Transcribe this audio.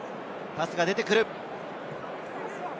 パスが出てくる。